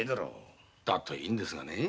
だといいんですがねぇ。